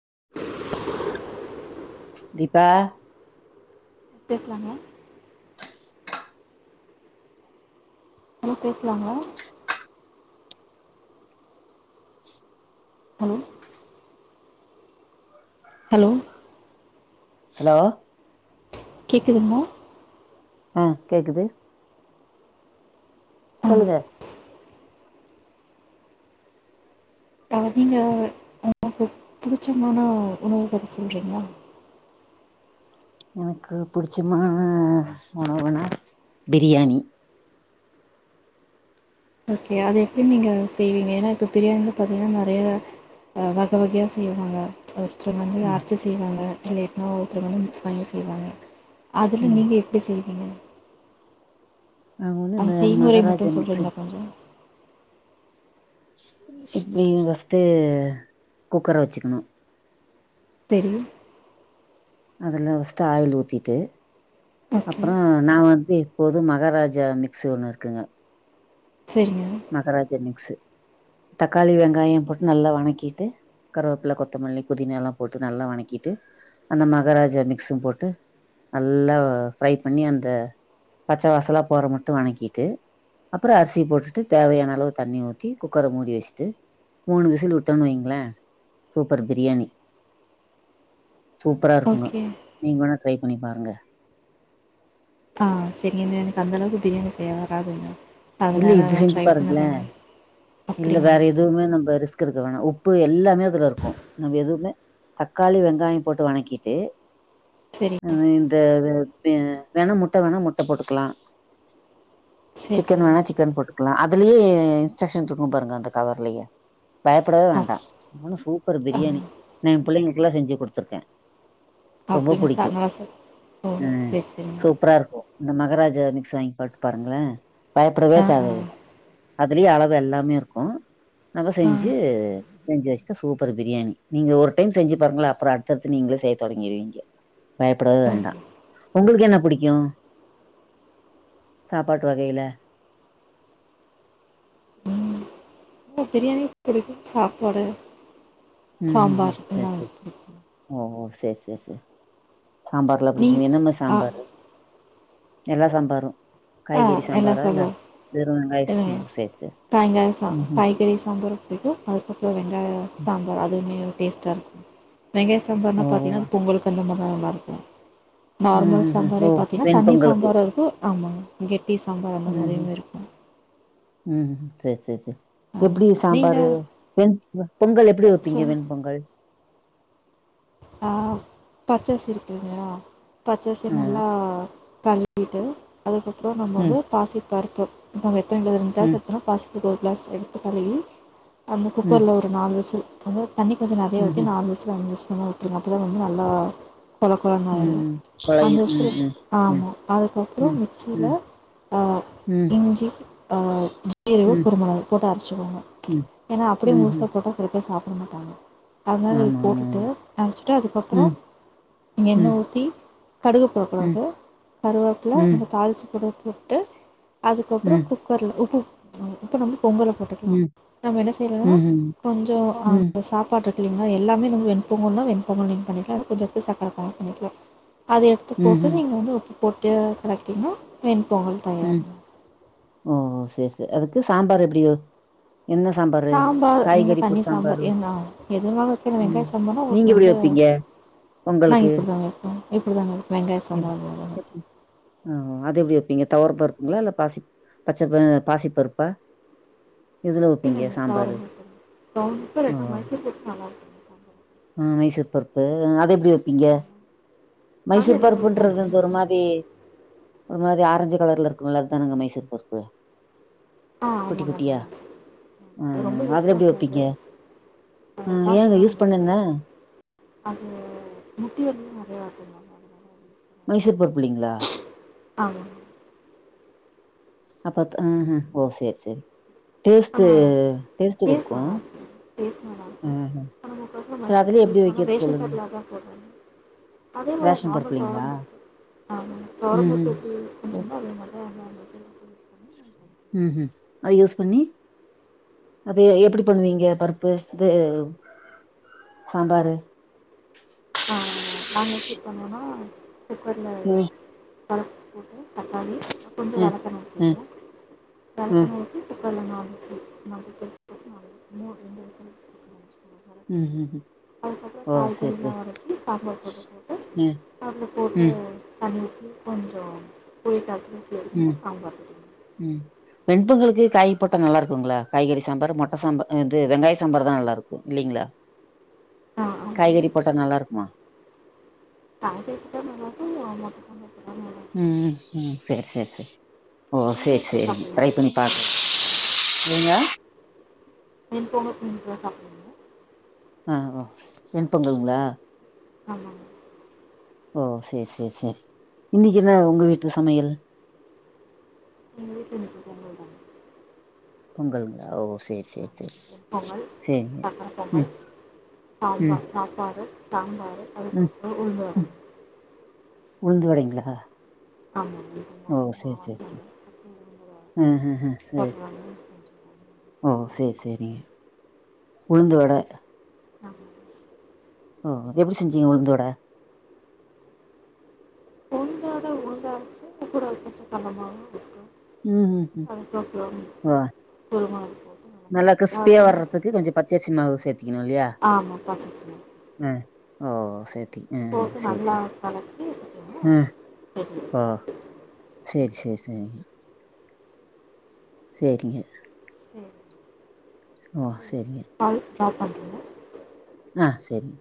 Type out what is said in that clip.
[inaudible] தீபா பேசலாங்ளா ஹலோ பேசலாங்ளா hello hello hello கேக்குதுங்ளா ஆ கேக்குது ஆ சொல்லுங்க நீங்க உங்களுக்கு பிடிச்சமான உணவு பத்தி சொல்றீங்ளா எனக்கு புடிச்சமான உணவுனா பிரியாணி ஓகே அது எப்டி நீங்க செய்வீங்க ஏனா இப்ப பிரியாணில பாத்தீங்கனா நெறய ஆ வக வகையா செய்வாங்க சிலர் வந்து ம் அரச்சு செய்வாங்க இல்ல இன்னோர்த்தரு வந்து மிக்ஸ் பண்ணி செய்வாங்க அதுல ம் நீங்க எப்டி செய்வீங்க நாங்க வந்து அந்த இந்த செய்மொறைய மகாராஜா மட்டு மிக்ஸி சொல்றீங்ளா கொஞ்சோ இப்டி ஃபஸ்ட்டு குக்கர வச்சுக்கணு செரி அதுல பஸ்ட்டு ஆயில் ஊத்திட்டு ஓகே அப்பறோ நா வந்து இப்போது மகாராஜா மிக்ஸி ஒன்னு இருக்குங்க சேரிங்க மகாராஜ மிக்ஸு தக்காளி வெங்காய போட்டு நல்லா வணக்கிட்டு கருவேப்பில கொத்தமல்லி புதின எல்லா போட்டு நல்லா வணக்கிட்டு அந்த மகாராஜ மிக்ஸு போட்டு நல்லா ஃப்ரை பண்ணி அந்த பச்ச வாசலா போற மட்டு வணக்கிட்டு அப்றோ அரிசிய போட்டுட்டு தேவயான அளவு தண்ணி ஊத்தி குக்கர மூடி வச்சுட்டு மூனு விசில் விட்டன்ம்னு வைங்களே சூப்பர் பிரியாணி சூப்பரா இருக்குங்க ஓகே நீங்க வேனா ட்ரைப் பண்ணி பாருங்க ஆ செரிங்க எனக்கு அந்த அளவுக்கு பிரியாணி செய்ய வராதுங்க இல்ல இது அதனால் செஞ்சு ட்ரை பாருங்களே பண்ணதில்லை இல்ல அப்படிங்களா வேற எதுவுமே நம்ம ரிஸ்க் இருக்க உப்பு எல்லாமே அதுல இருக்கு நம்ம எதுவுமே தக்காளி வெங்காய போட்டு வணக்கிட்டு சரிங்க ஆ வேணா முட்ட வேணா முட்ட போட்டுக்கலா சரி சிக்கன் சரி வேணா சிக்கன் போட்டுக்கலா அ அதலயே இன்ஸ்ட்க்ஷன் இருக்கு த பாருங்க அந்த கவர்லயே பயப்படவே அப் வேண்டா சூப்பர் ஆ பிரியாணி நா என் பிள்ளைங்களுக்குல்லா செஞ்சு குடுத்துருக்கேன் அப்டிங்கு சா நா ச ஓ அ செரி செரிங்க சூப்பரா இருக்கும் இந்த மகராஜா மிக்ஸ் வாங்கி போட்டு பாருங்களேன் பய படவே ஆ தேவ ஆ இல்ல அதுலே அளவெல்லாம் செம்மையா இருக்கும் நம்ம செஞ்சு வச்சி வச்சுடாசூப்பர் பிரியாணி நீங்க ஒரு டைம் செஞ்சு பாருங்கள அப்றோ அடுத்தடுத்து நீங்களே செய்ய தொடங்கிருவீங்க பயப்பட ஓ வேண்டாம் உங்களுக்கு என்ன பிடிக்கும் சாப்பாட்டு வகையில ம் பிரியாணி பிடிக்கும் சாப்பாடு ம் ம் சாம்பார் செரி செரி செரி சாம்பார்லாம் நீ பிடிக்கும் என்னென்ன ஆ சாம்பாரு எல்லா சாம்பாரும் ஆ எல்லா சாம்பாரா இல்ல சாம்பாரு வெறும் வெங்காயம் இல்லங்க ஓ சரி சரி காயிங்லாம் ம் காய்கறி சாம்பார் புடிக்கும் அதுக்கப்றோ வெங்காய ம் சாம்பார் அதுவுமே டேஸ்ட்டா இருக்கும் வெங்காய ஓ சம்பார்ன்னா ஓ பாத்தீங்கன்னா அ பொங்கல் அந்த மா நல்லா இருக்கும் ம் நார்மல் ம் ம் ஓ சாம்பாரே பாத்தீங்கன்னா வெண் தண்ணி பொங்கலுக்கு சாம்பாரு இருக்கும் ஆமா [unintelligible] டீ சாம்பார் அந்த ம் ம் மாரியுமே இருக்கும் ம் சேரி சேரி சேரி ஆ எப்டி சாம்பாரு நீங்கள் வெண் பொங்கல் எப்டி சொ வைப்பீங்க வெண்பொங்கல் ஆ பச்சரிசி இருக்கீங்களா பச்சரிசி ஆமா நல்லா கல்விடு அதுக்கப்றோ நம்ம ம் வந்து பாசிப் பருப்பு [unintelligible] திண்டு திண்டா ம் செத்துரும் பாசிப் ஒரு க்ளாஸ் எடுத்து கழிவி அந்த ம் குக்கர்ல ஒரு நாலு விசில் அத தண்ணி கொஞ்ச நெறைய ம் ஊத்தி ம் நாலு விசில் அஞ்சு விசில் ம் இதுக்கப்புறோ வந்து நல்லா கொழகொழனு ஆயிரு ம் கொழையு அஞ்சு ம் விசிலு ம் ம் ஆமா அதுக்கப்புறோ ம் மிக்சில ம் ஆ ம் இஞ்சி ஆ ம் யயு ம் குறுமெளகு போட்டு அரைச்சிக்கோங்க. ம் ஏன்னா அப்படியே ம் முழுசா ம் போட்டா சில பேர் சா ப்ட மாட்டாங்க அதனால இது ஆமா ஆமா போட்டுட்டு ஆமா ச்சுட்டு அதுக்கப்புறோ ம் எண்ண ம் ஊத்தி கடுகு ம் போடக்கூடாது கருவேப்பில ம் கொஞ்ச தாளிச்சு கூட போட்டு அதுக்கப்புறோ ம் குக்கர்ல உப்பு ஆ இப்ப நம்ப பொங்கல்ல போட்டுக்கலா ம் நம்ம என்ன செய்யலான்னா ம்ஹும் கொஞ்சோ ம் அந்த சாப்பாட்ட எடு த்தீங்னா எல்லாமே நம்ம வெண் பொங்கல்னா வெண் பொங்கல் நீங்க பண்ணிக்கலா. அதுல கொஞ்சொ எடுத்து சக்கர பொங்கல் பண்ணிக்கலா. அத எடுத்து போட்டு ம்ஹும் நீங்க வந்து உப்பு போட்டு கலக்கிட்டீங்கனா வெண் ம் ஓஹோ சேரி சேரி அதுக்கு சாம்பார் எப்பிடியோ சாம்பார் நீங்க தண்ணி சாம்பார் சாம்பாரு எதுனாலு எதுனாலு வெக்கலா வெங்காய ம் சாம்பார்னா நீங்க உங்களுக்கு எப்டி வந்து வைப்பீங்க நா பொங்கலுக்கு இப்பிடிதா வெப்பே இப்பிடிதா வெப்பே வெங்காய எப் சாம்பார் அதாங்க தொவர பருப்புங்களா இல்ல பாசி பச்ச ஆ பாசிப் பருப்பா எதுல வப்பீங்க இல்லைங்க சாம்பாரு? துவரம் பருப்புங்க துவரம் பருப்பு ஓ இல்லாட்டா மைசூர் பருப்பு நல்லாருக்குங்க சாம்பார் ஆ மைசூர்பரு ப்பு அது எப் டி வப்பீங்க? ஆமாம் அது மைசூர் எல்லாருக்கும் பருப்புன்றது வந்து ஒரு மாதிரி ஒரு மாரி ஆரஞ்சு கலர்ல இருக்குல்ல அதானங்க மைசூர் பருப்பு ஆ குட்டி ஆமாங்க அதா குட்டியா? மைசூர் ப ம் அது ரொம்ப ம். யூஸ் அதுல எப்படி பண்ணக்கூடாது வைப்பீங்க? அ அது ஏங்க எப்பாச்சுதா நம்ப பண்ண யூஸ் பண்ணனு அது முட்டி வலி நெறையா வருதுங்களாமா அதுல மைசூர் பருப்புலீங்களா? ஆமா அப்பத் ஆ ஹா ஓ சேரி சேரி ஆனா டேஸ்ட் நல்லா இருக்கு டேஸ்ட் நல்லா இருக்கு. ம்ஹ்ம். ஆனா ஆமா [unintelligible] சரி மைசூர் அதுலயே பருப்பு எப்படி யூஸ் பண்ணனுனா வைக்கிறது ரேஷன் சொல்லுங்க? கடைலதா போடுறாங்க அதே மாரிதா ரேஷன் பருப்பு நார்மல் இல்லீங்களா? தொவரம்பருப்பு ஆமா ஆமா தொவரம்பருப்பு ம்ஹ்ம். எப்டி யூஸ் பண்றீங்களோ அதே மாரிதா இது [inaudible] [unintelligible] ம் ஹும் அது யூஸ் பண்ணி அது எப்டி பண்வீங்க பருப்பு து சாம்பாரு ஆ நாங்க எப்டி பண்ணுவோனா குக்கர்ல ம் பருப்பு போட்டு தக்காளி கொஞ்சொ ம் வர ம் மெளதூளு ம் கலக்குனோட்டி [unintelligible] மஞ்சள் தூள் போட்டு மூணு ரெண்டு விசில் விட்டு [unintelligible] ம் ஹும் ஹும் ஓ சேர் செரி கி சாம்பார் பவ்டர் போட்டு அதுல போட்டு ம் கலக்கி கொஞ்சொ [unintelligible] நீங் கேட்டிங்ள ம் சாம்பார் க்கு காய் போட்டா நல்லாருக்குங்ளா காய்கறி சாம்பாரு மொட்ட சாம்பா இது வெங்காய சாம்பார்தா நல்லாருக்கு இல்லைங்ளா? ஆ ஆமாங்க காய்கறி போட்டா நல்லாருக்குமா? காய்கறி போட்டா நல்லாருக்கு அ மொட்ட சாம்பார் போட்டாலும் நல்லாயிருக்கும் ம் ம் சேர் சேர் செரி ஓ நீங்கள் சேரி இதில் சேரிங் ட்ரை சாப்பிடுவீங்களா வெண் பண்ணி பாக்குறே பொங்கல் ஏங்க இப்போ நீங்க சாப்ட்ருவீங்க ஆ வெண்பொங்கலுங்ளா ஆமா ஓ செர் செர் செரி இன்னிக்கு என்ன உங்க வீட்ல சமையல்? எங்க வீட்ல இன்னக்கி பொங்கல் தா பொங்கலுங்லா ஓ சேர் சேரி செர் நெல் சேரிங்க ம் சாம்பா ம் சாப்பாடு சாம்பா ரு ம் அதுக்கப்றொ உளுந்தவட உளுந்துவடைங்ளா எங்கள் ஓ மாமியார் சேர் சேர் மாவாட்டினாங்க சேர் அப்புறம் உளுந்து ம் ம் ம் வடை சேர் போடுறாங்க செஞ்சுருவாங்க ஓ சேர் சேரி உளுந்து வட ஆமா ஓ எப்பிடி செஞ்சீங்க உளுந்த வட? அரச்சு கூட கொஞ்ச கல்லமாவு உப்பு ம் ம் ம் அது போட்டு ஒரு ஓ ஒரு மண் நேர நல்லா கிரிஸ்பியா வர்றதுக்கு கொஞ்ச பச்சரிசி மாவு சே ஆமா பச்சர்சி மாவு ஆ சேத்துக்கனு ஓ சேத் தி அ அ சேர் சேர் கலக்கி சுட்டிங்கன்னா அ ரெடி ஆயிடும் ஓ சேர் அவ்வளோ தான் சேர் சேரி சேரிங்க சேரிங்க ஓ சேரிங்க கால் பண்றிங்ளா அ சேரிங்